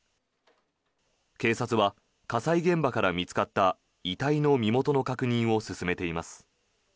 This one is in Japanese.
警察は火災現場から見つかった遺体の身元の確認を進めています。